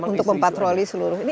untuk mempatroli seluruh